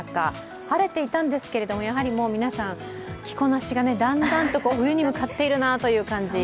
晴れていたんですけれど、やはり皆さん、着こなしがだんだんと冬に向かっているなという感じ。